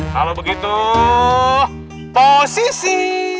kalau begitu posisi